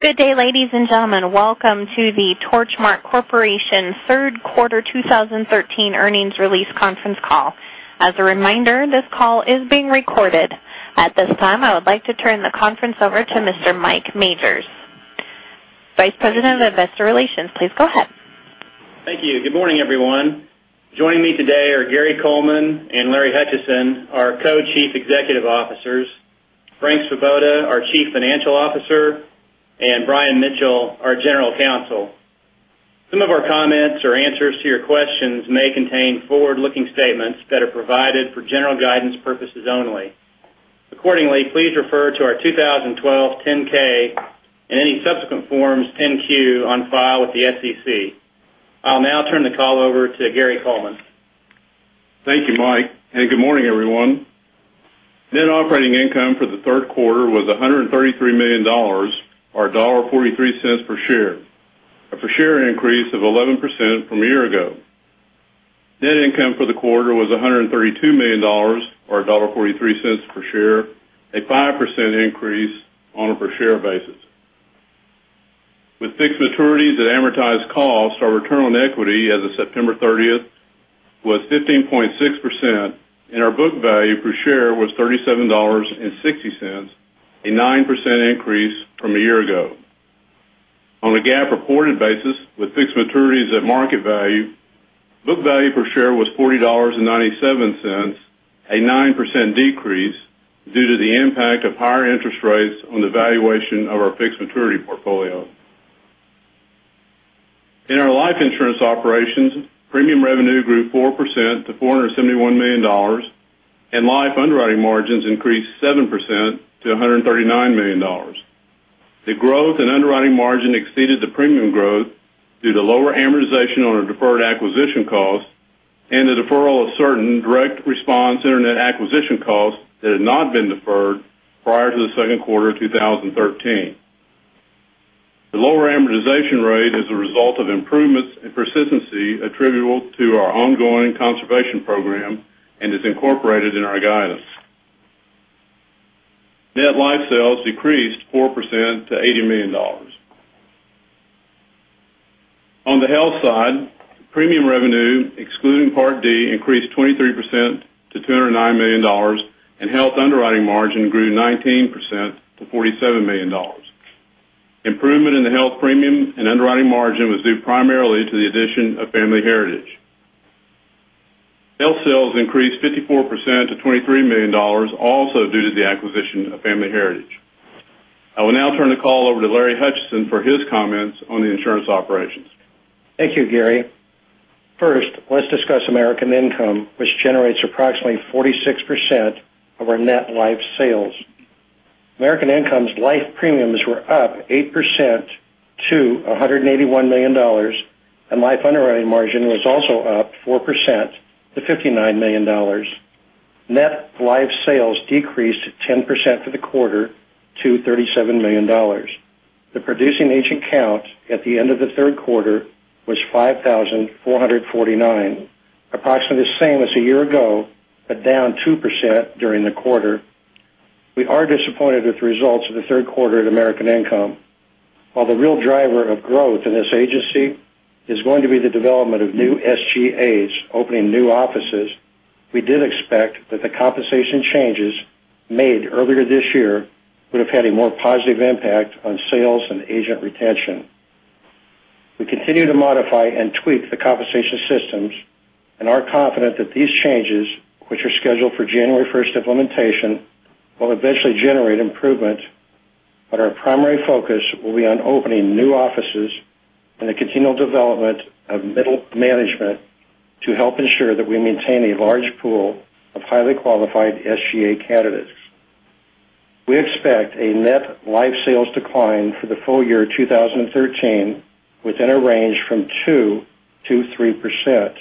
Good day, ladies and gentlemen. Welcome to the Torchmark Corporation third quarter 2013 earnings release conference call. As a reminder, this call is being recorded. At this time, I would like to turn the conference over to Mr. Mike Majors, Vice President of Investor Relations. Please go ahead. Thank you. Good morning, everyone. Joining me today are Gary Coleman and Larry Hutchison, our Co-Chief Executive Officers, Frank Svoboda, our Chief Financial Officer, and Brian Mitchell, our General Counsel. Some of our comments or answers to your questions may contain forward-looking statements that are provided for general guidance purposes only. Please refer to our 2012 10-K and any subsequent forms, 10-Q, on file with the SEC. I'll now turn the call over to Gary Coleman. Thank you, Mike. Good morning, everyone. Net operating income for the third quarter was $133 million, or $1.43 per share, a per share increase of 11% from a year ago. Net income for the quarter was $132 million, or $1.43 per share, a 5% increase on a per share basis. With fixed maturities at amortized cost, our return on equity as of September 30th was 15.6%, and our book value per share was $37.60, a 9% increase from a year ago. On a GAAP reported basis with fixed maturities at market value, book value per share was $40.97, a 9% decrease due to the impact of higher interest rates on the valuation of our fixed maturity portfolio. In our life insurance operations, premium revenue grew 4% to $471 million, and life underwriting margins increased 7% to $139 million. The growth in underwriting margin exceeded the premium growth due to lower amortization on our deferred acquisition costs and the deferral of certain Direct Response internet acquisition costs that had not been deferred prior to the second quarter of 2013. The lower amortization rate is a result of improvements in persistency attributable to our ongoing conservation program and is incorporated in our guidance. Net life sales decreased 4% to $80 million. On the health side, premium revenue, excluding Part D, increased 23% to $209 million, and health underwriting margin grew 19% to $47 million. Improvement in the health premium and underwriting margin was due primarily to the addition of Family Heritage. Health sales increased 54% to $23 million, also due to the acquisition of Family Heritage. I will now turn the call over to Larry Hutchison for his comments on the insurance operations. Thank you, Gary. First, let's discuss American Income, which generates approximately 46% of our net life sales. American Income's life premiums were up 8% to $181 million, and life underwriting margin was also up 4% to $59 million. Net life sales decreased 10% for the quarter to $37 million. The producing agent count at the end of the third quarter was 5,449, approximately the same as a year ago, but down 2% during the quarter. We are disappointed with the results of the third quarter at American Income. While the real driver of growth in this agency is going to be the development of new SGAs opening new offices, we did expect that the compensation changes made earlier this year would have had a more positive impact on sales and agent retention. We continue to modify and tweak the compensation systems and are confident that these changes, which are scheduled for January 1st implementation, will eventually generate improvement, but our primary focus will be on opening new offices and the continual development of middle management to help ensure that we maintain a large pool of highly qualified SGA candidates. We expect a net life sales decline for the full year 2013 within a range from 2%-3%,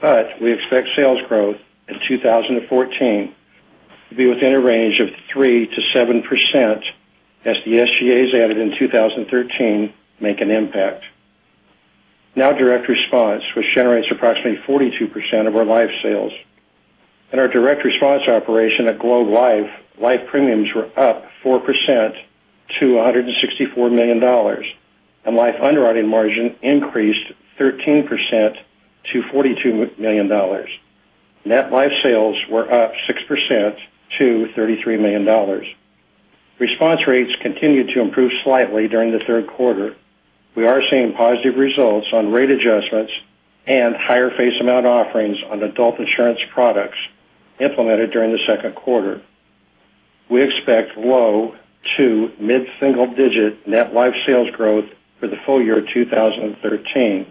but we expect sales growth in 2014 to be within a range of 3%-7% as the SGAs added in 2013 make an impact. Now Direct Response, which generates approximately 42% of our life sales. In our Direct Response operation at Globe Life, life premiums were up 4% to $164 million, and life underwriting margin increased 13% to $42 million. Net life sales were up 6% to $33 million. Response rates continued to improve slightly during the third quarter. We are seeing positive results on rate adjustments and higher face amount offerings on adult insurance products implemented during the second quarter. We expect low to mid-single digit net life sales growth for the full year 2013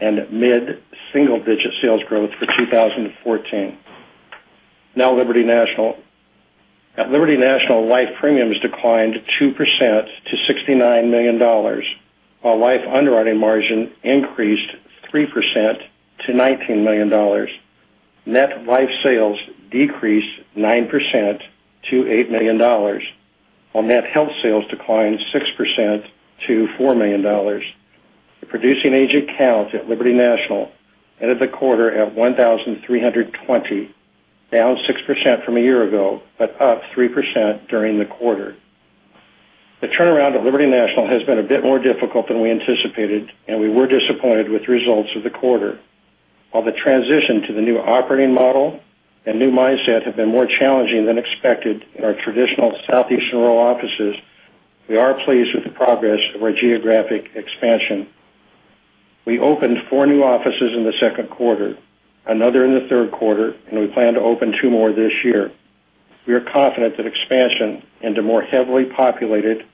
and mid-single digit sales growth for 2014. Now Liberty National. At Liberty National, life premiums declined 2% to $69 million, while life underwriting margin increased 3% to $19 million. Net life sales decreased 9% to $8 million, while net health sales declined 6% to $4 million. Producing agent counts at Liberty National ended the quarter at 1,320, down 6% from a year ago, but up 3% during the quarter. The turnaround at Liberty National has been a bit more difficult than we anticipated, and we were disappointed with results of the quarter. While the transition to the new operating model and new mindset have been more challenging than expected in our traditional Southeastern rural offices, we are pleased with the progress of our geographic expansion. We opened four new offices in the second quarter, another in the third quarter, and we plan to open two more this year. We are confident that expansion into more heavily populated,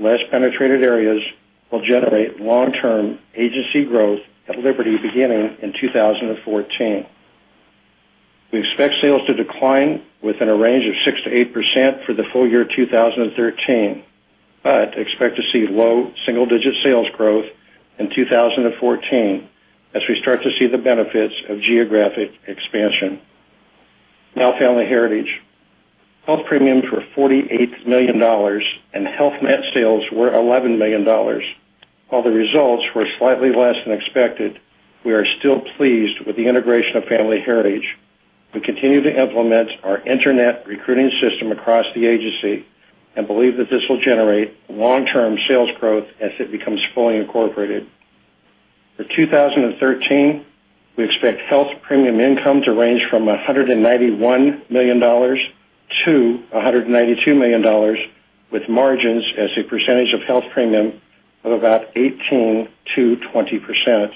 less penetrated areas will generate long-term agency growth at Liberty beginning in 2014. We expect sales to decline within a range of 6%-8% for the full year 2013, but expect to see low single-digit sales growth in 2014 as we start to see the benefits of geographic expansion. Now, Family Heritage. Health premiums were $48 million, and health net sales were $11 million. While the results were slightly less than expected, we are still pleased with the integration of Family Heritage. We continue to implement our internet recruiting system across the agency and believe that this will generate long-term sales growth as it becomes fully incorporated. For 2013, we expect health premium income to range from $191 million-$192 million, with margins as a percentage of health premium of about 18%-20%.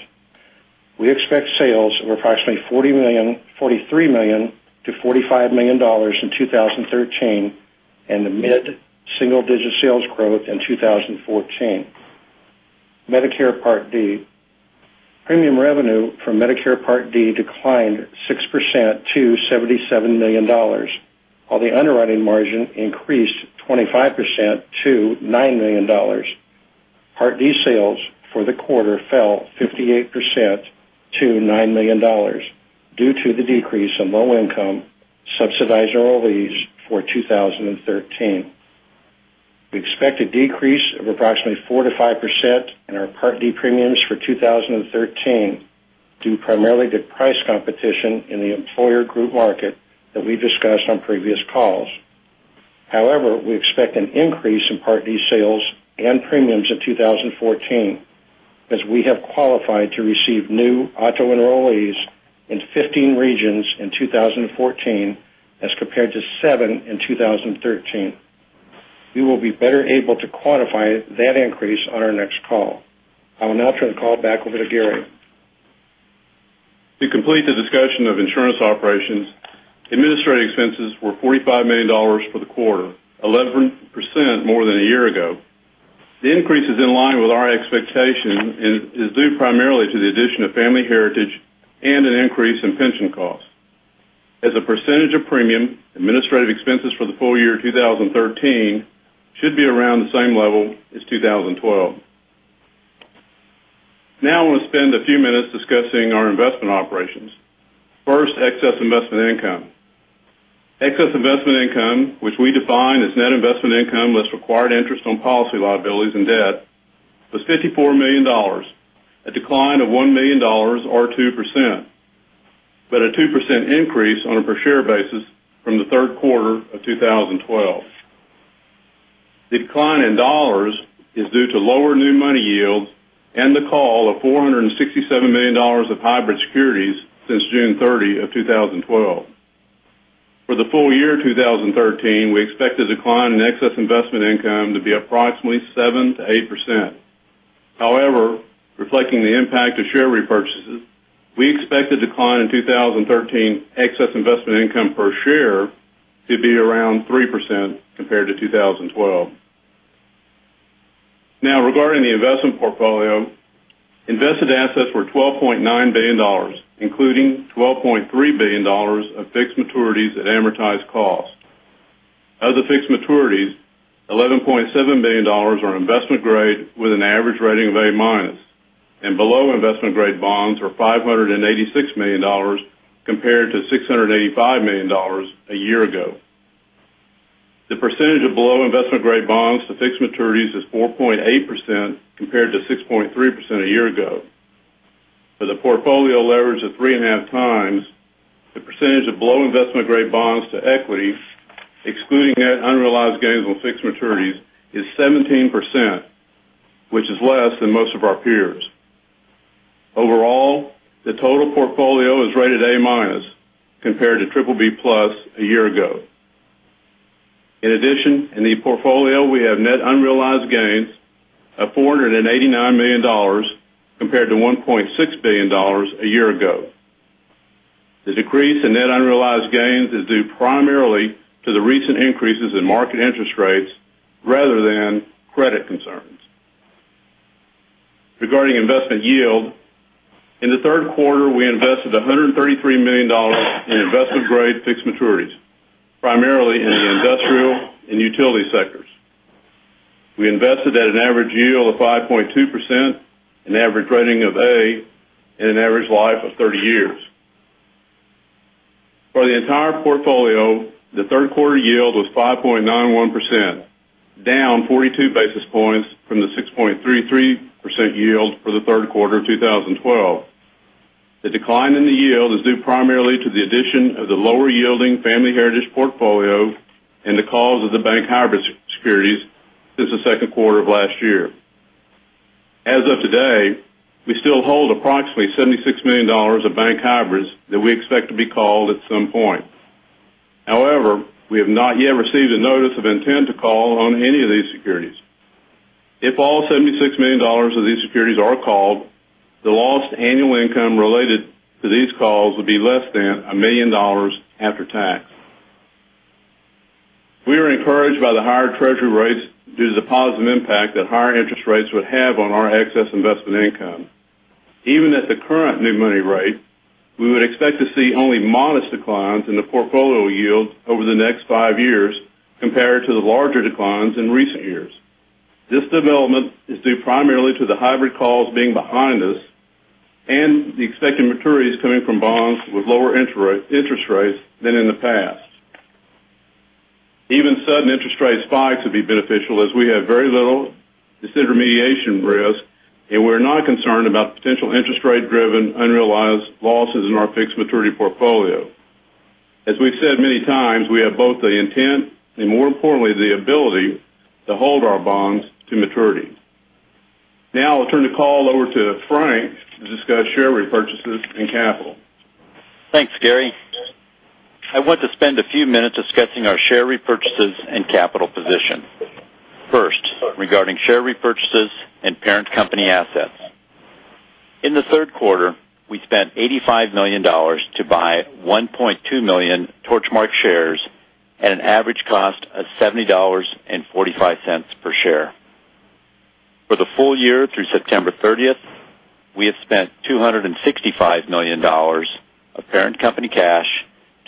We expect sales of approximately $43 million-$45 million in 2013 and mid-single-digit sales growth in 2014. Medicare Part D. Premium revenue from Medicare Part D declined 6% to $77 million, while the underwriting margin increased 25% to $9 million. Part D sales for the quarter fell 58% to $9 million due to the decrease in low-income subsidized enrollees for 2013. We expect a decrease of approximately 4%-5% in our Part D premiums for 2013, due primarily to price competition in the employer group market that we discussed on previous calls. We expect an increase in Part D sales and premiums in 2014 as we have qualified to receive new auto enrollees in 15 regions in 2014 as compared to seven in 2013. We will be better able to quantify that increase on our next call. I will now turn the call back over to Gary. To complete the discussion of insurance operations, administrative expenses were $45 million for the quarter, 11% more than a year ago. The increase is in line with our expectation and is due primarily to the addition of Family Heritage and an increase in pension costs. As a percentage of premium, administrative expenses for the full year 2013 should be around the same level as 2012. I want to spend a few minutes discussing our investment operations. First, excess investment income. Excess investment income, which we define as net investment income less required interest on policy liabilities and debt, was $54 million, a decline of $1 million or 2%, but a 2% increase on a per share basis from the third quarter of 2012. The decline in dollars is due to lower new money yields and the call of $467 million of hybrid securities since June 30, 2012. For the full year 2013, we expect the decline in excess investment income to be approximately 7%-8%. Reflecting the impact of share repurchases, we expect the decline in 2013 excess investment income per share to be around 3% compared to 2012. Regarding the investment portfolio, invested assets were $12.9 billion, including $12.3 billion of fixed maturities at amortized cost. Of the fixed maturities, $11.7 billion are investment grade with an average rating of A-minus, and below investment grade bonds were $586 million compared to $685 million a year ago. The percentage of below investment grade bonds to fixed maturities is 4.8% compared to 6.3% a year ago. With a portfolio leverage of three and a half times, the percentage of below investment grade bonds to equity, excluding net unrealized gains on fixed maturities, is 17%, which is less than most of our peers. Overall, the total portfolio is rated A- compared to BBB+ a year ago. In addition, in the portfolio, we have net unrealized gains of $489 million compared to $1.6 billion a year ago. The decrease in net unrealized gains is due primarily to the recent increases in market interest rates rather than credit concerns. Regarding investment yield, in the third quarter, we invested $133 million in investment-grade fixed maturities, primarily in the industrial and utility sectors. We invested at an average yield of 5.2%, an average rating of A, and an average life of 30 years. The entire portfolio, the third quarter yield was 5.91%, down 42 basis points from the 6.33% yield for the third quarter of 2012. The decline in the yield is due primarily to the addition of the lower yielding Family Heritage portfolio and the calls of the bank hybrid securities since the second quarter of last year. As of today, we still hold approximately $76 million of bank hybrids that we expect to be called at some point. However, we have not yet received a notice of intent to call on any of these securities. If all $76 million of these securities are called, the lost annual income related to these calls would be less than $1 million after tax. We are encouraged by the higher treasury rates due to the positive impact that higher interest rates would have on our excess investment income. Even at the current new money rate, we would expect to see only modest declines in the portfolio yield over the next five years compared to the larger declines in recent years. This development is due primarily to the hybrid calls being behind us and the expected maturities coming from bonds with lower interest rates than in the past. Even sudden interest rate spikes would be beneficial as we have very little disintermediation risk, and we're not concerned about potential interest rate-driven unrealized losses in our fixed maturity portfolio. As we've said many times, we have both the intent and, more importantly, the ability to hold our bonds to maturity. I'll turn the call over to Frank to discuss share repurchases and capital. Thanks, Gary. I want to spend a few minutes discussing our share repurchases and capital position. First, regarding share repurchases and parent company assets. In the third quarter, we spent $85 million to buy 1.2 million Torchmark shares at an average cost of $70.45 per share. For the full year through September 30th, we have spent $265 million of parent company cash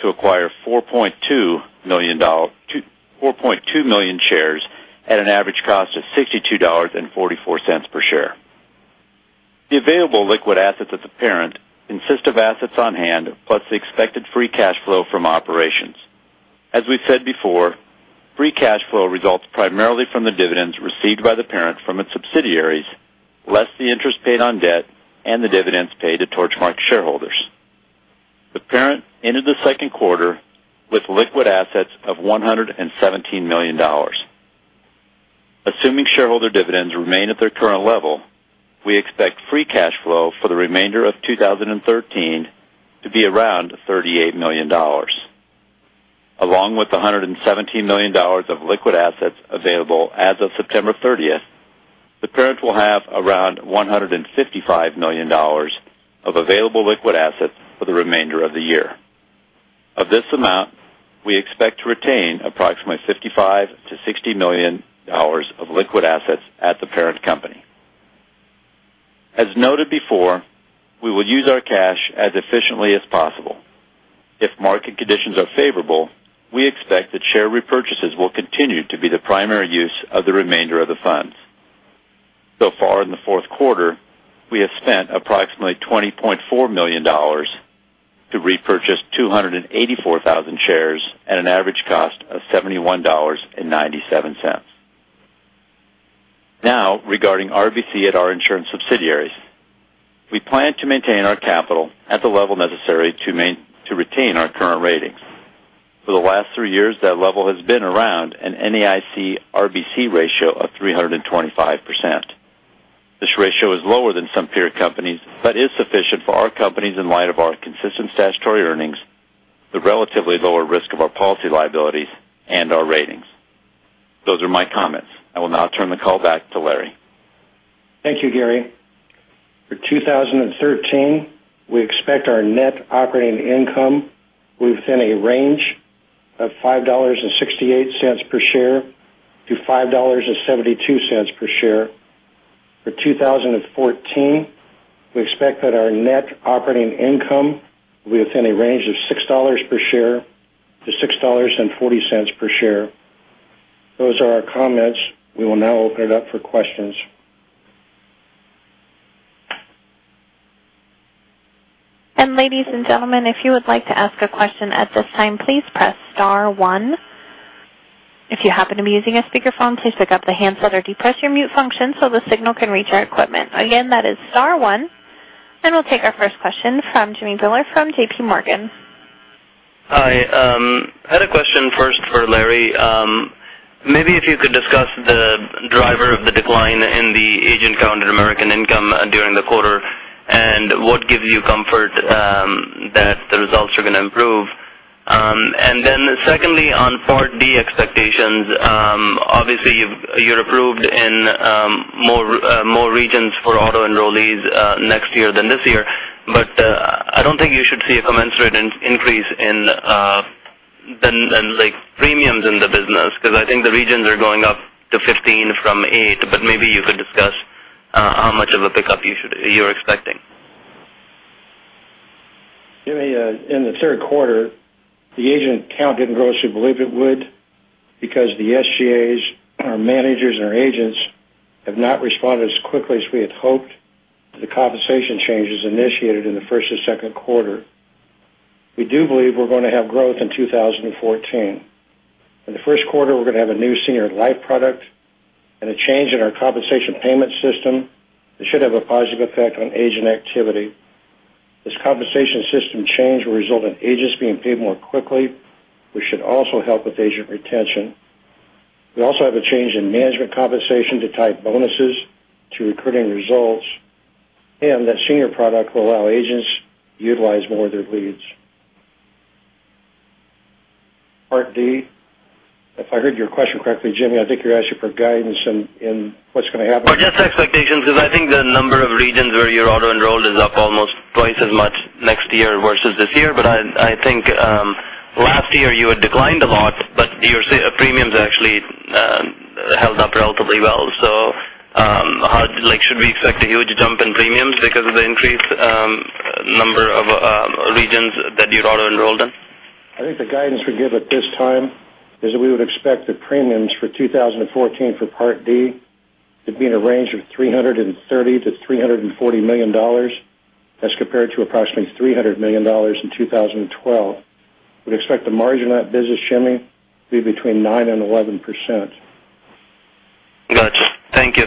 to acquire 4.2 million shares at an average cost of $62.44 per share. The available liquid assets of the parent consist of assets on hand, plus the expected free cash flow from operations. As we've said before, free cash flow results primarily from the dividends received by the parent from its subsidiaries, less the interest paid on debt and the dividends paid to Torchmark shareholders. The parent ended the second quarter with liquid assets of $117 million. Assuming shareholder dividends remain at their current level, we expect free cash flow for the remainder of 2013 to be around $38 million. Along with the $117 million of liquid assets available as of September 30th, the parent will have around $155 million of available liquid assets for the remainder of the year. Of this amount, we expect to retain approximately $55 million-$60 million of liquid assets at the parent company. As noted before, we will use our cash as efficiently as possible. If market conditions are favorable, we expect that share repurchases will continue to be the primary use of the remainder of the funds. So far in the fourth quarter, we have spent approximately $20.4 million to repurchase 284,000 shares at an average cost of $71.97. Regarding RBC at our insurance subsidiaries, we plan to maintain our capital at the level necessary to retain our current ratings. For the last three years, that level has been around an NAIC RBC ratio of 325%. This ratio is lower than some peer companies, but is sufficient for our companies in light of our consistent statutory earnings, the relatively lower risk of our policy liabilities, and our ratings. Those are my comments. I will now turn the call back to Larry. Thank you, Gary. For 2013, we expect our net operating income within a range of $5.68 per share-$5.72 per share. For 2014, we expect that our net operating income will be within a range of $6 per share-$6.40 per share. Those are our comments. We will now open it up for questions. Ladies and gentlemen, if you would like to ask a question at this time, please press star one. If you happen to be using a speakerphone, please pick up the handset or depress your mute function so the signal can reach our equipment. Again, that is star one, we'll take our first question from Jimmy Bhullar from JPMorgan. I had a question first for Larry. Maybe if you could discuss the driver of the decline in the agent count in American Income during the quarter and what gives you comfort that the results are going to improve. Secondly, on Part D expectations. Obviously, you're approved in more regions for auto enrollees next year than this year. I don't think you should see a commensurate increase in the premiums in the business, because I think the regions are going up to 15 from 8. Maybe you could discuss how much of a pickup you're expecting. Jimmy, in the third quarter, the agent count didn't grow as we believe it would. The SGAs, our managers, and our agents have not responded as quickly as we had hoped to the compensation changes initiated in the first and second quarter. We do believe we're going to have growth in 2014. In the first quarter, we're going to have a new Senior Life product and a change in our compensation payment system that should have a positive effect on agent activity. This compensation system change will result in agents being paid more quickly, which should also help with agent retention. We also have a change in management compensation to tie bonuses to recruiting results, and that Senior product will allow agents to utilize more of their leads. Part D, if I heard your question correctly, Jimmy, I think you're asking for guidance in what's going to happen. Just expectations, because I think the number of regions where your auto-enroll is up almost twice as much next year versus this year. I think last year you had declined a lot, your premiums actually held up relatively well. Should we expect a huge jump in premiums because of the increased number of regions that you auto-enrolled in? I think the guidance we give at this time is that we would expect the premiums for 2014 for Part D to be in a range of $330 million-$340 million, as compared to approximately $300 million in 2012. We'd expect the margin on that business, Jimmy, to be between 9% and 11%. Gotcha. Thank you.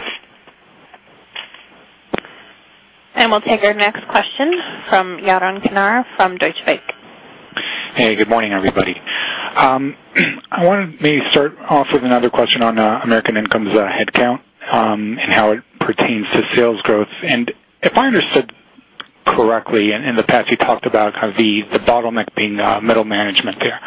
We'll take our next question from Yaron Kinar from Deutsche Bank. Hey, good morning, everybody. I wanted me to start off with another question on American Income's headcount and how it pertains to sales growth. If I understood correctly, in the past, you talked about the bottleneck being middle management there.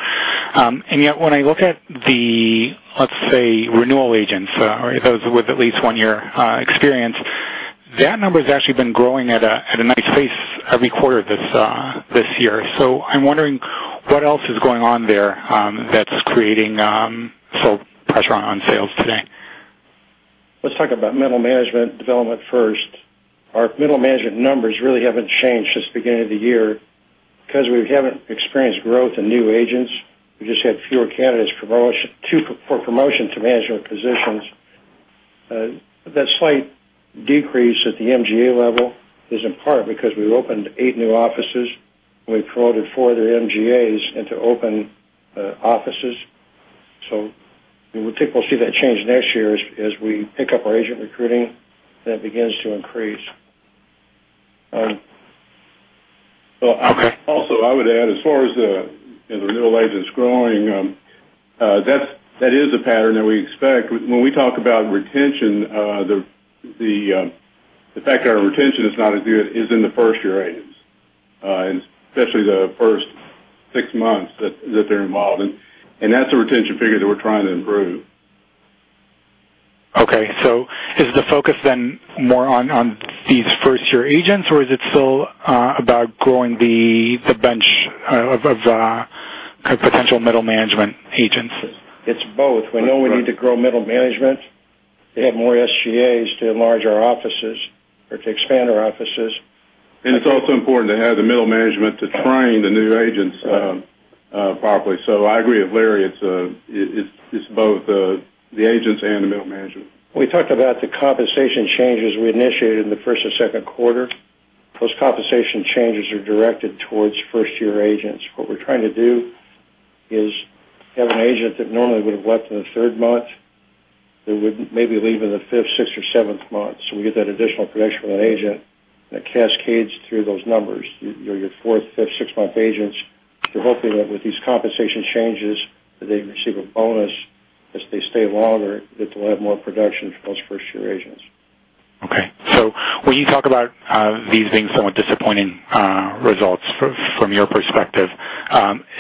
Yet when I look at the, let's say, renewal agents, or those with at least one year experience, that number has actually been growing at a nice pace every quarter this year. I'm wondering what else is going on there that's creating pressure on sales today. Let's talk about middle management development first. Our middle management numbers really haven't changed since the beginning of the year because we haven't experienced growth in new agents. We just had fewer candidates for promotion to management positions. That slight decrease at the MGA level is in part because we've opened eight new offices, and we've promoted four other MGAs into open offices. I think we'll see that change next year as we pick up our agent recruiting, that begins to increase. Okay. Also, I would add, as far as the renewal agents growing, that is a pattern that we expect. When we talk about retention, the fact that our retention is not as good is in the first-year agents, and especially the first six months that they're involved. That's a retention figure that we're trying to improve. Okay. Is the focus then more on these first-year agents, or is it still about growing the bench of potential middle management agents? It's both. We know we need to grow middle management to have more SGAs to enlarge our offices or to expand our offices. It's also important to have the middle management to train the new agents properly. I agree with Larry. It's both the agents and the middle management. We talked about the compensation changes we initiated in the first and second quarter. Those compensation changes are directed towards first-year agents. What we're trying to do is have an agent that normally would have left in the third month, they would maybe leave in the fifth, sixth, or seventh month. We get that additional production from that agent that cascades through those numbers. Your fourth, fifth, sixth-month agents, we're hoping that with these compensation changes, that they receive a bonus as they stay longer, that they'll have more production for those first-year agents. Okay. When you talk about these being somewhat disappointing results from your perspective,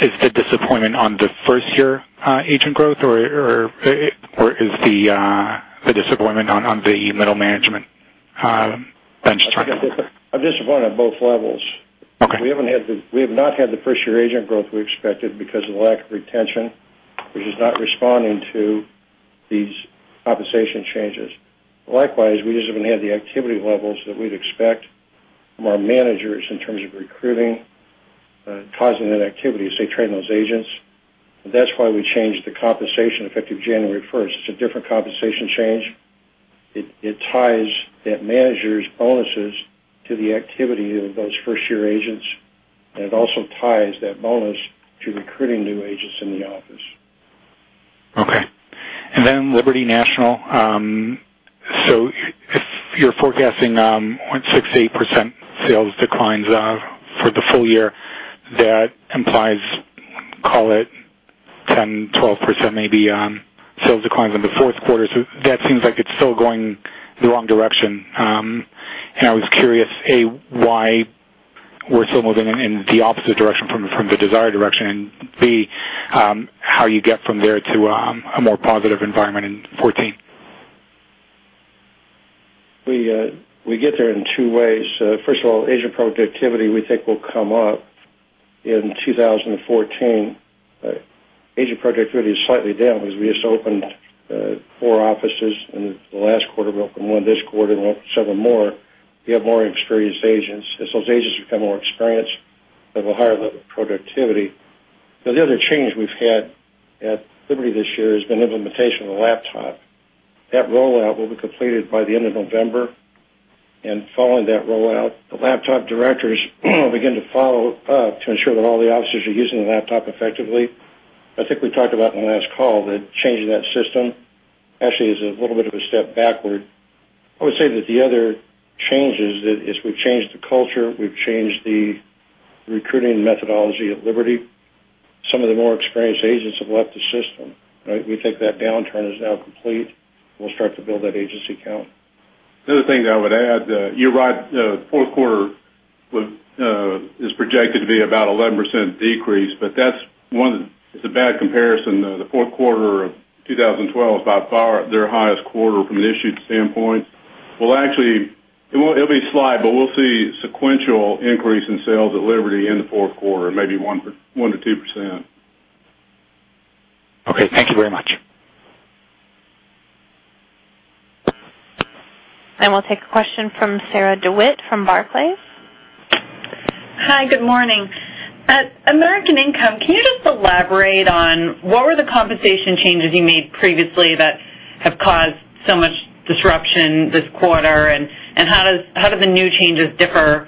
is the disappointment on the first-year agent growth, or is the disappointment on the middle management bench strength? A disappointment at both levels. Okay. We have not had the first-year agent growth we expected because of the lack of retention, which is not responding to these compensation changes. Likewise, we just haven't had the activity levels that we'd expect from our managers in terms of recruiting, causing that activity as they train those agents. That's why we changed the compensation effective January 1st. It's a different compensation change. It ties that manager's bonuses to the activity of those first-year agents, and it also ties that bonus to recruiting new agents in the office. Okay. Liberty National. If you're forecasting 6%-8% sales declines for the full year, that implies, call it, 10%-12% maybe sales declines in the fourth quarter. That seems like it's still going the wrong direction. I was curious, A, why we're still moving in the opposite direction from the desired direction, and B, how you get from there to a more positive environment in 2014. We get there in two ways. First of all, agent productivity, we think, will come up in 2014. Agent productivity is slightly down because we just opened four offices the last quarter, we opened one this quarter, and we'll open several more. We have more experienced agents. As those agents become more experienced, they have a higher level of productivity. The other change we've had at Liberty National this year has been implementation of the laptop. That rollout will be completed by the end of November, and following that rollout, the laptop directors will begin to follow up to ensure that all the officers are using the laptop effectively. I think we talked about in the last call that changing that system actually is a little bit of a step backward. I would say that the other change is we've changed the culture, we've changed the recruiting methodology at Liberty National. Some of the more experienced agents have left the system. We think that downturn is now complete. We'll start to build that agency count. The other thing that I would add, you're right. Fourth quarter is projected to be about 11% decrease. That's one. It's a bad comparison. The fourth quarter of 2012 is by far their highest quarter from an issued standpoint. It'll be slight, but we'll see sequential increase in sales at Liberty in the fourth quarter, maybe one to two%. Okay. Thank you very much. We'll take a question from Sarah DeWitt from Barclays. Hi, good morning. At American Income, can you just elaborate on what were the compensation changes you made previously that have caused so much disruption this quarter, and how do the new changes differ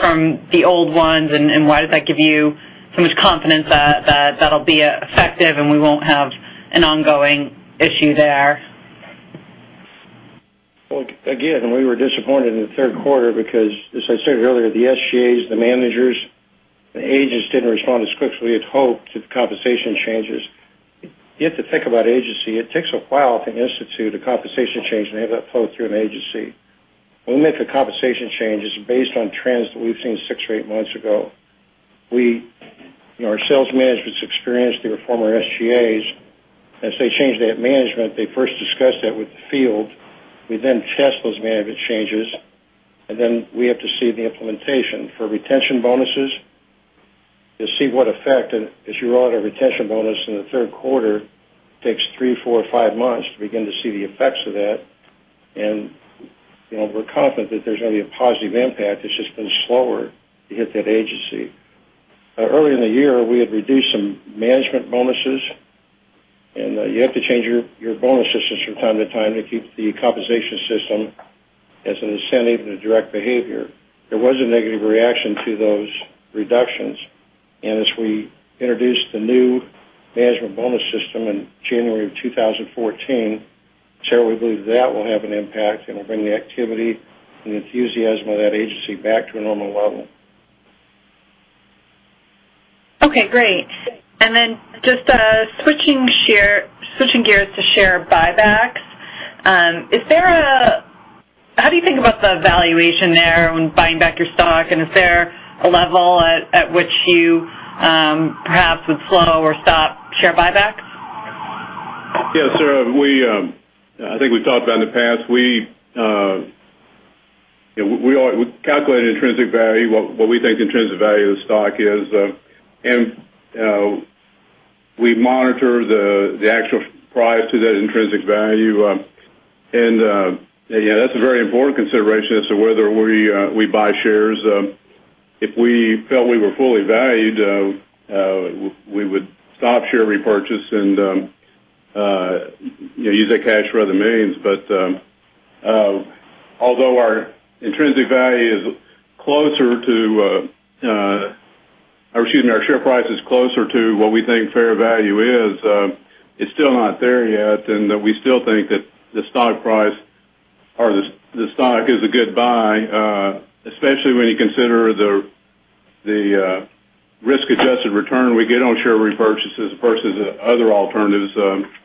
from the old ones, and why does that give you so much confidence that that'll be effective and we won't have an ongoing issue there? Well, again, we were disappointed in the third quarter because, as I stated earlier, the SGAs, the managers, the agents didn't respond as quickly as hoped to the compensation changes. You have to think about agency. It takes a while to institute a compensation change and have that flow through an agency. When we make the compensation changes based on trends that we've seen six or eight months ago, our sales management is experienced. They were former SGAs. As they change that management, they first discuss that with the field. We then test those management changes, and then we have to see the implementation. For retention bonuses, you'll see what effect. If you roll out a retention bonus in the third quarter, it takes three, four, five months to begin to see the effects of that. We're confident that there's going to be a positive impact. It's just been slower to hit that agency. Early in the year, we had reduced some management bonuses. You have to change your bonus systems from time to time to keep the compensation system as an incentive and a direct behavior. There was a negative reaction to those reductions. As we introduced the new management bonus system in January of 2014, Sarah, we believe that will have an impact and will bring the activity and enthusiasm of that agency back to a normal level. Okay, great. Just switching gears to share buybacks. How do you think about the valuation there when buying back your stock, and is there a level at which you perhaps would slow or stop share buybacks? Yeah. Sarah, I think we've talked about in the past. We calculate intrinsic value, what we think the intrinsic value of the stock is. We monitor the actual price to that intrinsic value. That's a very important consideration as to whether we buy shares. If we felt we were fully valued, we would stop share repurchase and use that cash for other means. Although our share price is closer to what we think fair value is, it's still not there yet. We still think that the stock is a good buy, especially when you consider the risk-adjusted return we get on share repurchases versus other alternatives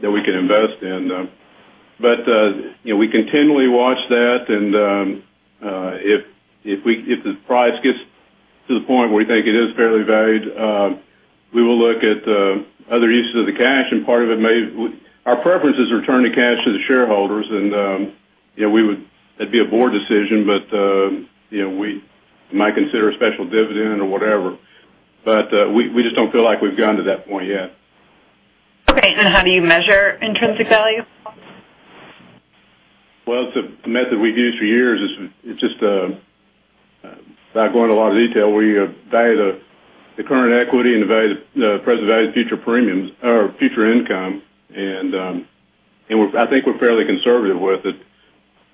that we can invest in. We continually watch that, and if the price gets to the point where we think it is fairly valued, we will look at other uses of the cash, our preference is to return the cash to the shareholders, and that'd be a board decision, but we might consider a special dividend or whatever. We just don't feel like we've gotten to that point yet. Okay. How do you measure intrinsic value? It's a method we've used for years. It's just, without going into a lot of detail, we value the current equity and value the present value of future premiums or future income. I think we're fairly conservative with it.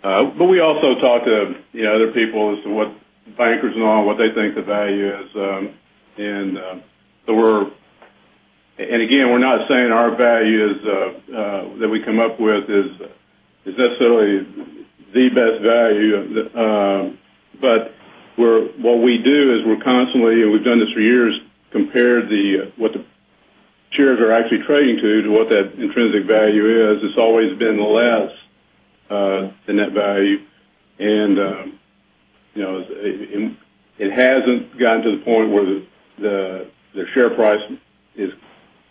We also talk to other people as to what bankers know and what they think the value is. Again, we're not saying our value that we come up with is necessarily the best value. What we do is we constantly, and we've done this for years, compare what the shares are actually trading to what that intrinsic value is. It's always been less than that value, and it hasn't gotten to the point where the share price is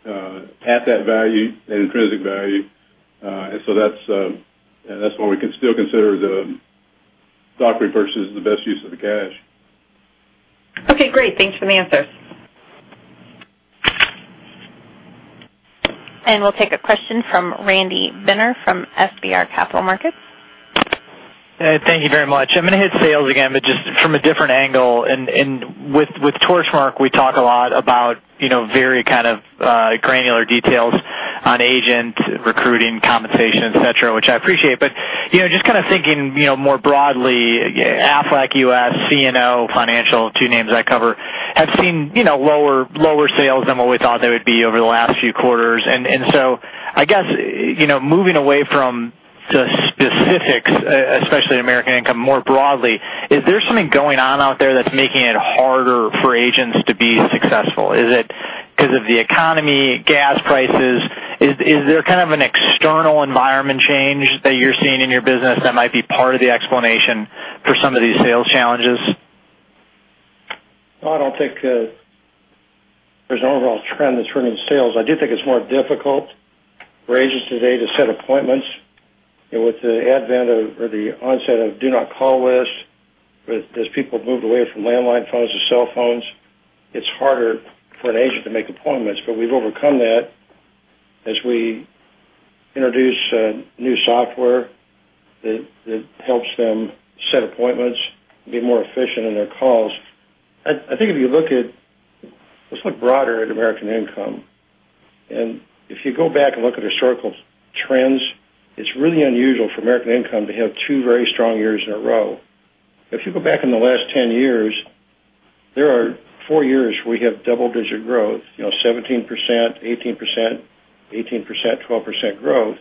at that value, that intrinsic value. That's why we can still consider the stock repurchase as the best use of the cash. Okay, great. Thanks for the answers. We'll take a question from Randy Binner from FBR Capital Markets. Thank you very much. I'm going to hit sales again, but just from a different angle. With Torchmark, we talk a lot about very kind of granular details on agent recruiting, compensation, et cetera, which I appreciate. Just kind of thinking more broadly, Aflac U.S., CNO Financial, two names I cover, have seen lower sales than we thought they would be over the last few quarters. So I guess, moving away from the specifics, especially American Income more broadly, is there something going on out there that's making it harder for agents to be successful? Is it because of the economy, gas prices? Is there kind of an external environment change that you're seeing in your business that might be part of the explanation for some of these sales challenges? No, I don't think there's an overall trend that's ruining sales. I do think it's more difficult for agents today to set appointments. With the advent of, or the onset of do not call lists, as people have moved away from landline phones to cell phones, it's harder for an agent to make appointments. We've overcome that as we introduce new software that helps them set appointments and be more efficient in their calls. I think if you look at, let's look broader at American Income. If you go back and look at historical trends, it's really unusual for American Income to have two very strong years in a row. If you go back in the last 10 years, there are four years where we have double-digit growth, 17%, 18%, 18%, 12% growth.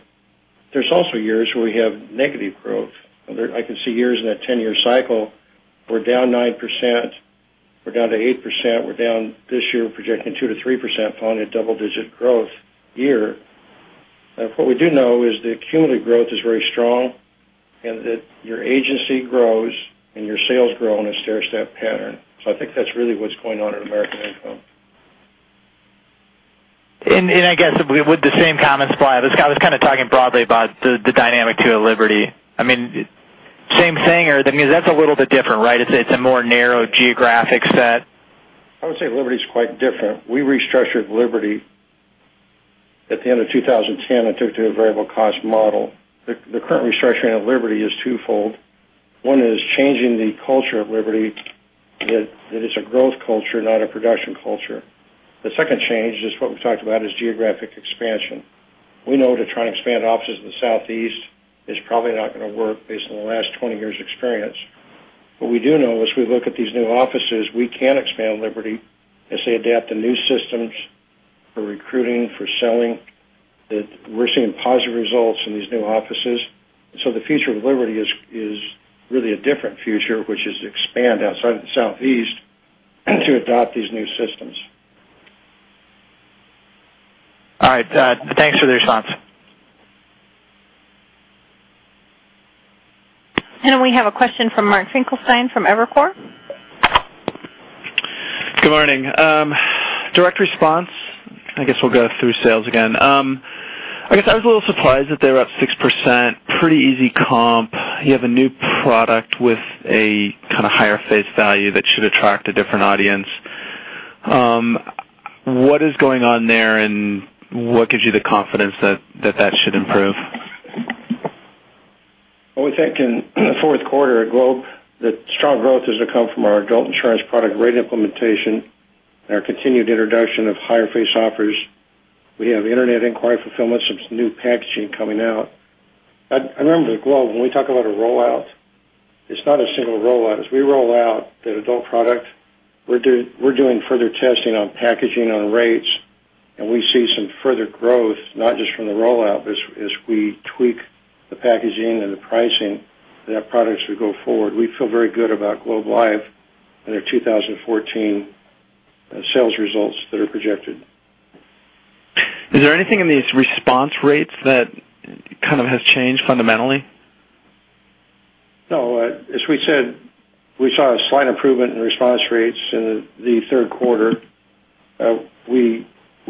There's also years where we have negative growth. I can see years in that 10-year cycle, we're down 9%, we're down to 8%, we're down this year, projecting 2%-3%, following a double-digit growth year. What we do know is the cumulative growth is very strong and that your agency grows and your sales grow in a stairstep pattern. I think that's really what's going on at American Income. Would the same comments apply? I was kind of talking broadly about the dynamic to Liberty. Same thing or that's a little bit different, right? It's a more narrow geographic set. I would say Liberty is quite different. We restructured Liberty at the end of 2010 and took to a variable cost model. The current restructuring of Liberty is twofold. One is changing the culture of Liberty, that it's a growth culture, not a production culture. The second change is what we've talked about, is geographic expansion. We know to try and expand offices in the Southeast is probably not going to work based on the last 20 years' experience. What we do know as we look at these new offices, we can expand Liberty as they adapt to new systems for recruiting, for selling, that we're seeing positive results in these new offices. The future of Liberty is really a different future, which is to expand outside of the Southeast to adopt these new systems. All right. Thanks for the response. We have a question from Mark Finkelstein from Evercore. Good morning. Direct Response, I guess we'll go through sales again. I guess I was a little surprised that they were up 6%, pretty easy comp. You have a new product with a kind of higher face value that should attract a different audience. What is going on there, and what gives you the confidence that that should improve? Well, we think in the fourth quarter at Globe, that strong growth is to come from our adult insurance product rate implementation and our continued introduction of higher face offers. We have internet inquiry fulfillment, some new packaging coming out. Remember that Globe, when we talk about a rollout, it's not a single rollout. As we roll out the adult product, we're doing further testing on packaging on rates, and we see some further growth, not just from the rollout, but as we tweak the packaging and the pricing of that product as we go forward. We feel very good about Globe Life and their 2014 sales results that are projected. Is there anything in these response rates that kind of has changed fundamentally? No. As we said, we saw a slight improvement in response rates in the third quarter. We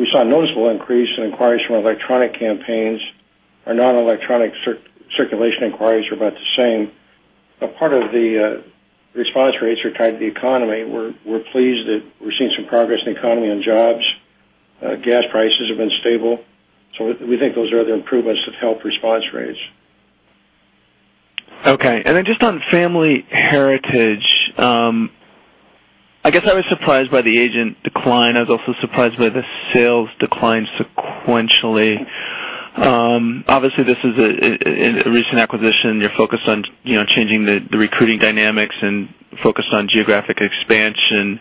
saw a noticeable increase in inquiries from electronic campaigns. Our non-electronic circulation inquiries are about the same. A part of the response rates are tied to the economy. We're pleased that we're seeing some progress in the economy on jobs. Gas prices have been stable. We think those are the improvements that help response rates. Okay. Then just on Family Heritage, I guess I was surprised by the agent decline. I was also surprised by the sales decline sequentially. Obviously, this is a recent acquisition. You're focused on changing the recruiting dynamics and focused on geographic expansion.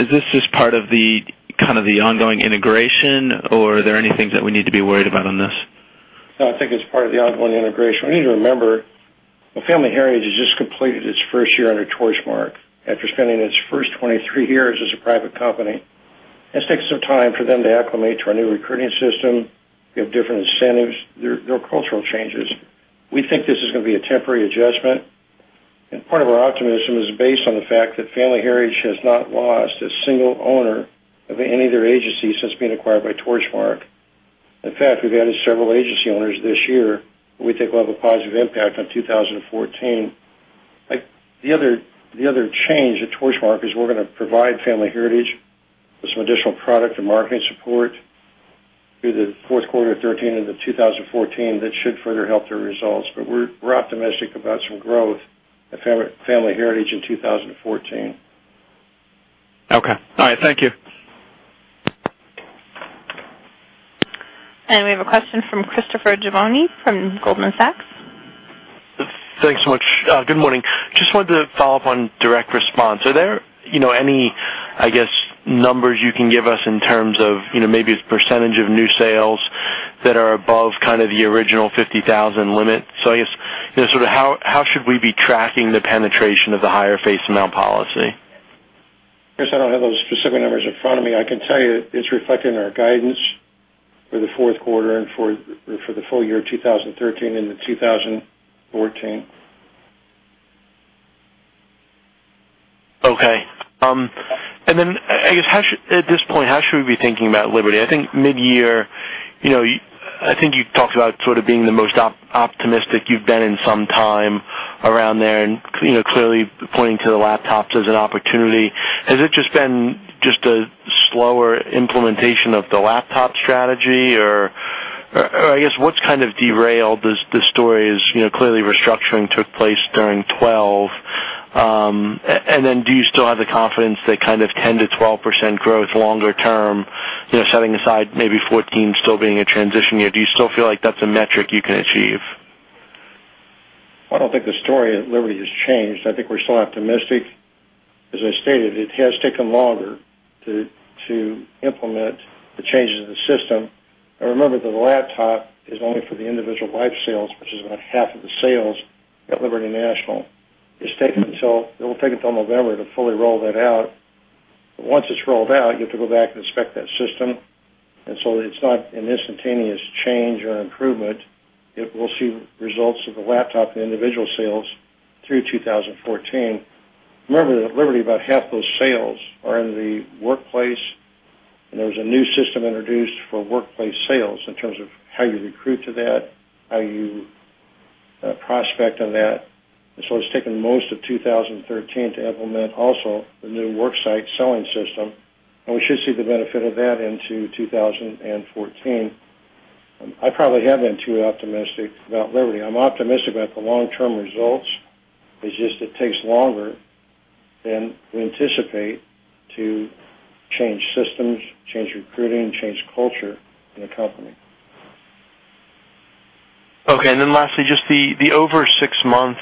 Is this just part of the kind of the ongoing integration, or are there any things that we need to be worried about on this? No, I think it's part of the ongoing integration. We need to remember that Family Heritage has just completed its first year under Torchmark after spending its first 23 years as a private company. It's taken some time for them to acclimate to our new recruiting system. We have different incentives. There are cultural changes. We think this is going to be a temporary adjustment, and part of our optimism is based on the fact that Family Heritage has not lost a single owner of any of their agencies since being acquired by Torchmark. In fact, we've added several agency owners this year who we think will have a positive impact on 2014. The other change at Torchmark is we're going to provide Family Heritage with some additional product and marketing support through the fourth quarter of 2013 into 2014 that should further help their results. We're optimistic about some growth at Family Heritage in 2014. Okay. All right. Thank you. We have a question from Christopher Giovanni from Goldman Sachs. Thanks so much. Good morning. Just wanted to follow up on Direct Response. Are there any numbers you can give us in terms of maybe the percentage of new sales that are above kind of the original 50,000 limit? I guess, how should we be tracking the penetration of the higher face amount policy? Chris, I don't have those specific numbers in front of me. I can tell you it's reflected in our guidance for the fourth quarter and for the full year 2013 into 2014. Okay. Then, I guess, at this point, how should we be thinking about Liberty? I think mid-year, I think you talked about sort of being the most optimistic you've been in some time around there and clearly pointing to the laptops as an opportunity. Has it just been just a slower implementation of the laptop strategy or I guess what's kind of derailed the stories? Clearly restructuring took place during 2012. Then do you still have the confidence that kind of 10%-12% growth longer term, setting aside maybe 2014 still being a transition year? Do you still feel like that's a metric you can achieve? I don't think the story at Liberty has changed. I think we're still optimistic. As I stated, it has taken longer to implement the changes in the system. Remember that the laptop is only for the individual life sales, which is about half of the sales at Liberty National. It will take until November to fully roll that out. Once it's rolled out, you have to go back and inspect that system, it's not an instantaneous change or an improvement. We'll see results of the laptop in individual sales through 2014. Remember that at Liberty, about half those sales are in the workplace, and there was a new system introduced for workplace sales in terms of how you recruit to that, how you prospect on that. It's taken most of 2013 to implement also the new work site selling system, and we should see the benefit of that into 2014. I probably have been too optimistic about Liberty. I'm optimistic about the long-term results. It's just it takes longer than we anticipate to change systems, change recruiting, change culture in a company. Okay, lastly, just the over six month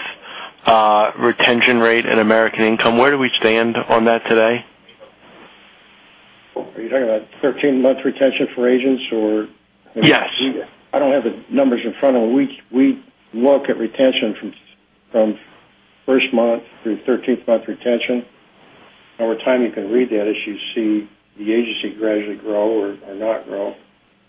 retention rate at American Income. Where do we stand on that today? Are you talking about 13-month retention for agents or? Yes I don't have the numbers in front of me. We look at retention from first month through 13th month retention. Over time, you can read that as you see the agency gradually grow or not grow.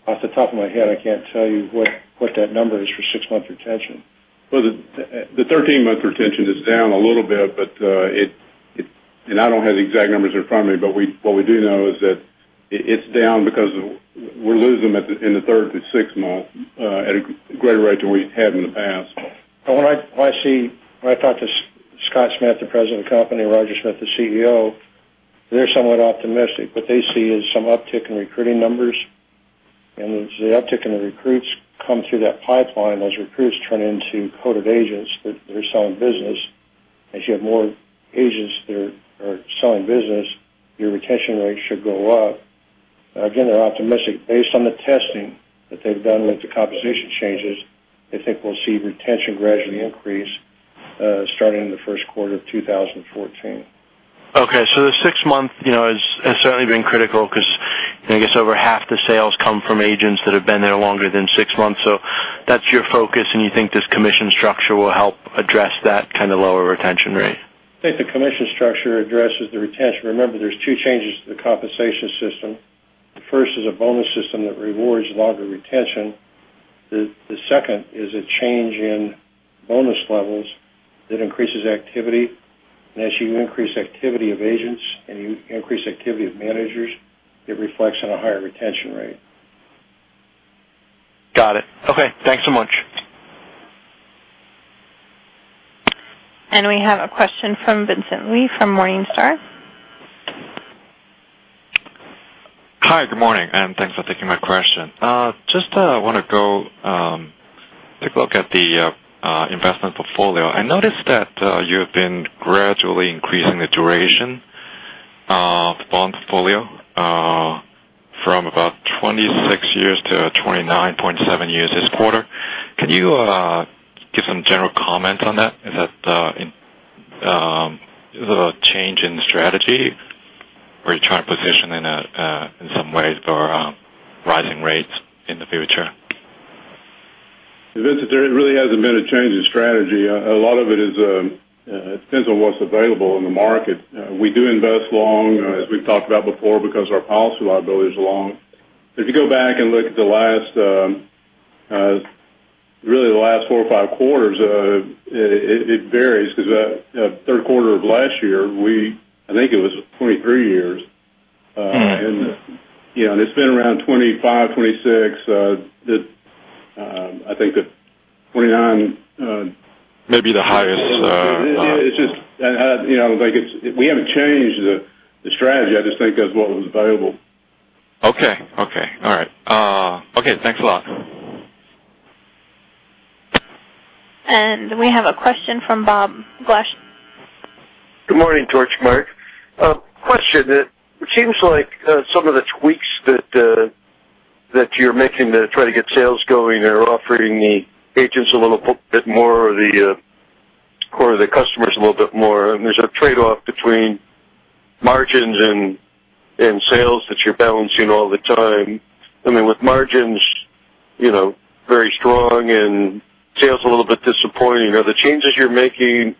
Off the top of my head, I can't tell you what that number is for six-month retention. The 13-month retention is down a little bit. I don't have the exact numbers in front of me. What we do know is that it's down because we're losing them in the third to sixth month at a greater rate than we have in the past. When I talk to Scott Smith, the President of the company, and Roger Smith, the CEO, they're somewhat optimistic. What they see is some uptick in recruiting numbers. As the uptick in the recruits come through that pipeline, those recruits turn into quoted agents that are selling business. As you have more agents that are selling business, your retention rate should go up. Again, they're optimistic. Based on the testing that they've done with the compensation changes, they think we'll see retention gradually increase starting in the first quarter of 2014. The six month has certainly been critical because I guess over half the sales come from agents that have been there longer than six months. That's your focus. You think this commission structure will help address that kind of lower retention rate? I think the commission structure addresses the retention. Remember, there's two changes to the compensation system. The first is a bonus system that rewards longer retention. The second is a change in bonus levels that increases activity. As you increase activity of agents and you increase activity of managers, it reflects on a higher retention rate. Got it. Okay. Thanks so much. We have a question from Vincent Lee from Morningstar. Hi, good morning, and thanks for taking my question. Just want to go take a look at the investment portfolio. I noticed that you've been gradually increasing the duration of the bond portfolio from about 26 years to 29.7 years this quarter. Can you give some general comments on that? Is that a change in strategy where you're trying to position in some ways for rising rates in the future? Vincent, there really hasn't been a change in strategy. A lot of it depends on what's available in the market. We do invest long, as we've talked about before, because our policy liability is long. If you go back and look at the last Four or five quarters. It varies because the third quarter of last year, I think it was 23 years. It's been around 25, 26. I think the 29- Maybe the highest. We haven't changed the strategy. I just think that's what was available. Okay. All right. Okay, thanks a lot. We have a question from Bob Glasspiegel. Good morning, Torchmark. Question, it seems like some of the tweaks that you're making to try to get sales going are offering the agents a little bit more, or the customers a little bit more, and there's a trade-off between margins and sales that you're balancing all the time. With margins very strong and sales a little bit disappointing, are the changes you're making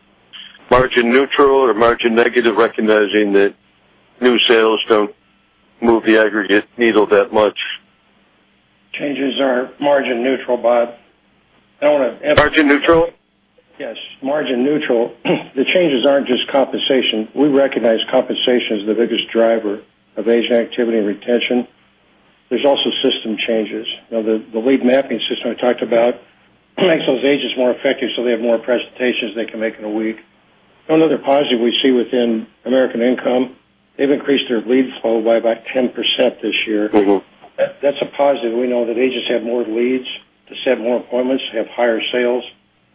margin neutral or margin negative, recognizing that new sales don't move the aggregate needle that much? Changes are margin neutral, Bob. Margin neutral? Yes. Margin neutral. The changes aren't just compensation. We recognize compensation is the biggest driver of agent activity and retention. There's also system changes. The lead mapping system I talked about makes those agents more effective, so they have more presentations they can make in a week. Another positive we see within American Income, they've increased their lead flow by about 10% this year. That's a positive. We know that agents have more leads to set more appointments, have higher sales.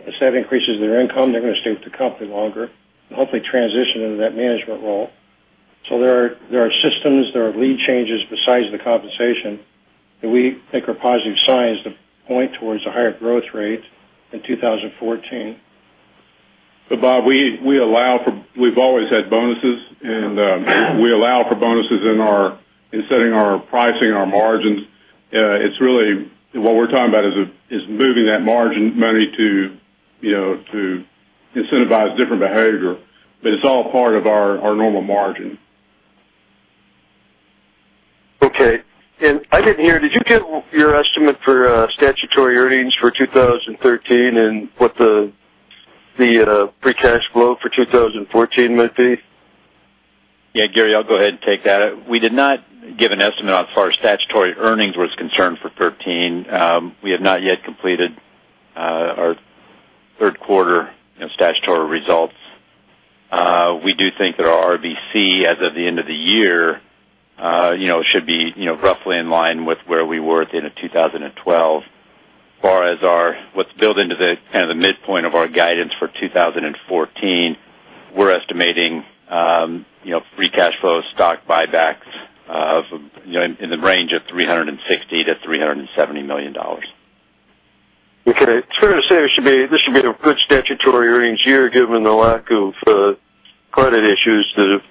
As that increases their income, they're going to stay with the company longer and hopefully transition into that management role. There are systems, there are lead changes besides the compensation that we think are positive signs that point towards the higher growth rates in 2014. Bob, we've always had bonuses, and we allow for bonuses in setting our pricing and our margins. What we're talking about is moving that margin money to incentivize different behavior. It's all part of our normal margin. Okay. I didn't hear, did you give your estimate for statutory earnings for 2013 and what the free cash flow for 2014 might be? Yeah, Gary, I'll go ahead and take that. We did not give an estimate on as far as statutory earnings was concerned for 2013. We have not yet completed our third quarter statutory results. We do think that our RBC as of the end of the year should be roughly in line with where we were at the end of 2012. Far as what's built into the midpoint of our guidance for 2014, we're estimating free cash flow stock buybacks in the range of $360 million-$370 million. Okay. It's fair to say this should be a good statutory earnings year given the lack of credit issues that have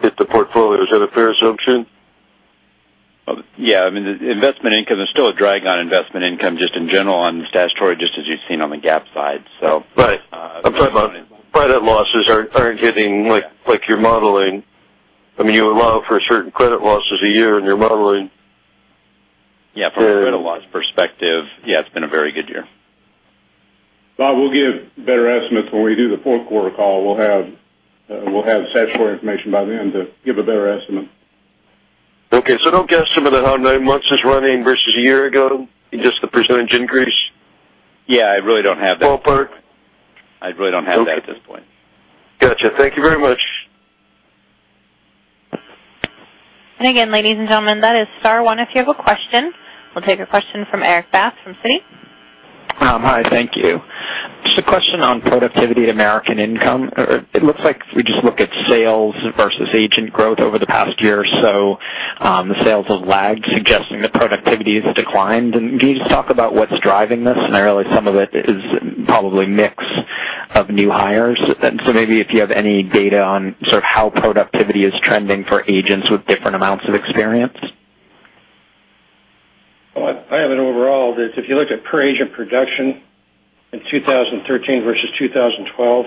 hit the portfolio. Is that a fair assumption? Yeah, investment income, there's still a drag on investment income just in general on statutory, just as you've seen on the GAAP side. Right. I'm talking about credit losses aren't hitting like you're modeling. You allow for certain credit losses a year in your modeling. From a credit loss perspective, it's been a very good year. Bob, we'll give better estimates when we do the fourth quarter call. We'll have statutory information by then to give a better estimate. Okay, no guesstimate of how nine months is running versus a year ago, just the percentage increase? Yeah, I really don't have that. Full perk. I really don't have that at this point. Got you. Thank you very much. Ladies and gentlemen, that is star 1 if you have a question. We'll take a question from Erik Bass from Citi. Hi, thank you. Just a question on productivity at American Income. It looks like if we just look at sales versus agent growth over the past year or so, the sales have lagged, suggesting that productivity has declined. Can you just talk about what's driving this? I realize some of it is probably mix of new hires. So maybe if you have any data on how productivity is trending for agents with different amounts of experience. Well, I have it overall, that if you look at per agent production in 2013 versus 2012,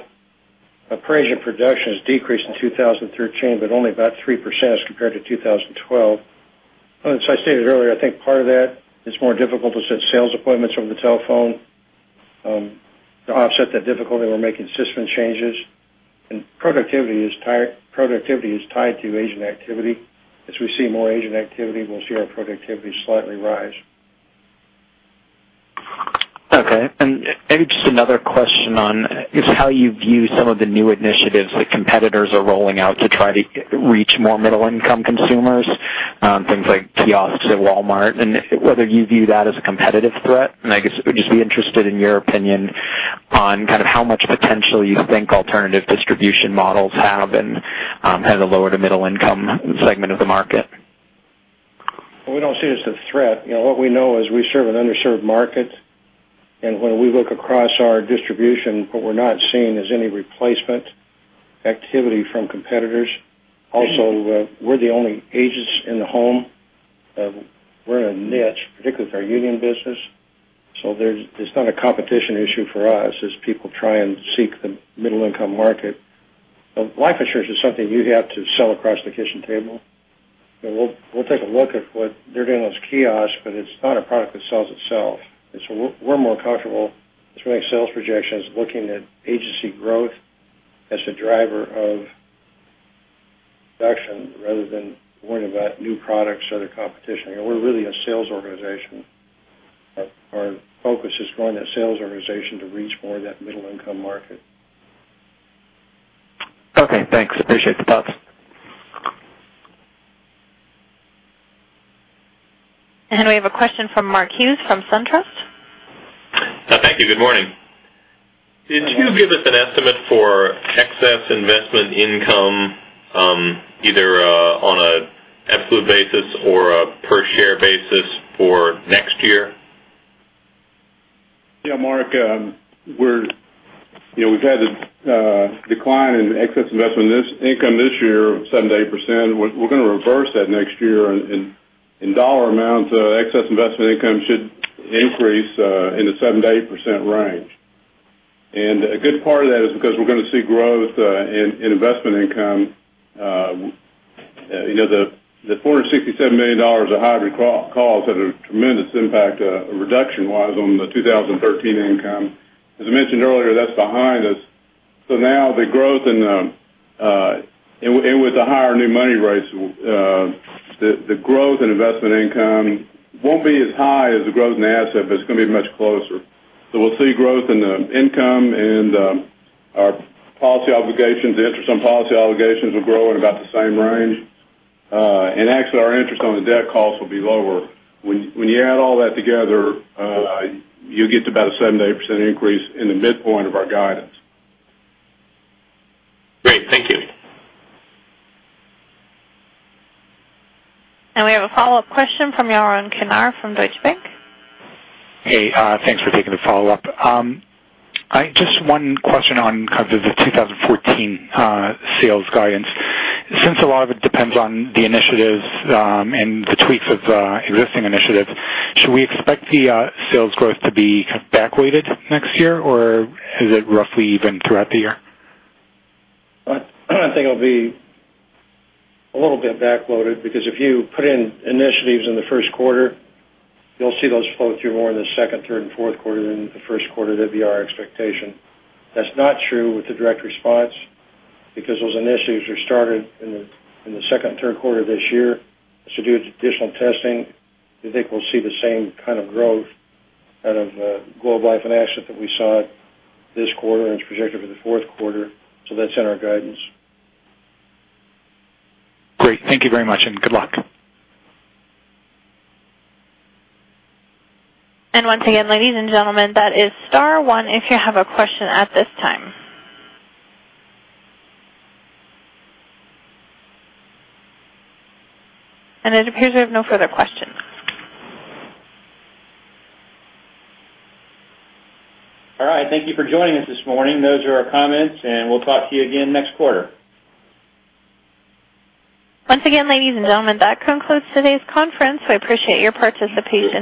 per agent production has decreased in 2013, but only about 3% as compared to 2012. As I stated earlier, I think part of that is more difficult to set sales appointments over the telephone. To offset that difficulty, we're making system changes. Productivity is tied to agent activity. As we see more agent activity, we'll see our productivity slightly rise. Okay. Maybe just another question on just how you view some of the new initiatives that competitors are rolling out to try to reach more middle-income consumers, things like kiosks at Walmart, whether you view that as a competitive threat. I guess, would just be interested in your opinion on how much potential you think alternative distribution models have in the lower to middle income segment of the market. We don't see it as a threat. What we know is we serve an underserved market, and when we look across our distribution, what we're not seeing is any replacement activity from competitors. Also, we're the only agents in the home. We're in a niche, particularly with our union business. It's not a competition issue for us as people try and seek the middle-income market. Life insurance is something you have to sell across the kitchen table We'll take a look at what they're doing with those kiosks, it's not a product that sells itself. We're more comfortable to make sales projections looking at agency growth as the driver of production rather than worrying about new products or the competition. We're really a sales organization. Our focus is growing that sales organization to reach more of that middle-income market. Okay, thanks. Appreciate the thoughts. We have a question from Mark Hughes from SunTrust. Thank you. Good morning. Good morning. Did you give us an estimate for excess investment income, either on an absolute basis or a per share basis for next year? Yeah, Mark, we've had a decline in excess investment income this year of 7%-8%. We're going to reverse that next year. In dollar amount, excess investment income should increase in the 7%-8% range. A good part of that is because we're going to see growth in investment income. The $467 million of hybrid calls had a tremendous impact, reduction-wise, on the 2013 income. As I mentioned earlier, that's behind us. Now, with the higher new money rates, the growth in investment income won't be as high as the growth in assets, but it's going to be much closer. We'll see growth in the income and our policy obligations. The interest on policy obligations will grow at about the same range. Actually, our interest on the debt calls will be lower. When you add all that together, you get to about a 7%-8% increase in the midpoint of our guidance. Great. Thank you. We have a follow-up question from Yaron Kinar from Deutsche Bank. Hey, thanks for taking the follow-up. Just one question on kind of the 2014 sales guidance. Since a lot of it depends on the initiatives and the tweaks of existing initiatives, should we expect the sales growth to be kind of back-weighted next year, or is it roughly even throughout the year? I think it'll be a little bit back-loaded because if you put in initiatives in the first quarter, you'll see those flow through more in the second, third, and fourth quarter than the first quarter. That'd be our expectation. That's not true with the Direct Response because those initiatives were started in the second and third quarter of this year. It's to do with additional testing. I think we'll see the same kind of growth out of Globe Life and Asset that we saw this quarter and is projected for the fourth quarter. That's in our guidance. Great. Thank you very much, good luck. Once again, ladies and gentlemen, that is star one if you have a question at this time. It appears we have no further questions. All right. Thank you for joining us this morning. Those are our comments, we'll talk to you again next quarter. Once again, ladies and gentlemen, that concludes today's conference. We appreciate your participation